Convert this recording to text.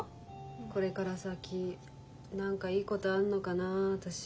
これから先何かいいことあんのかなあ私。